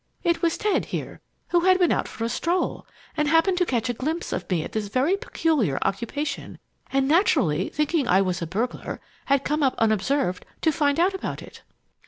It was Ted, here, who had been out for a stroll, and happening to catch a glimpse of me at this very peculiar occupation, and naturally thinking I was a burglar, had come up unobserved to find out about it!